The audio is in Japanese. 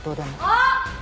あっ！